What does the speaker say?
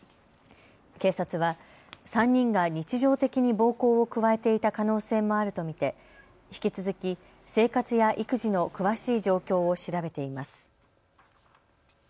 警察は３人が日常的に暴行を加えていた可能性もあると見て引き続き生活や育児の詳しい状況を調べています。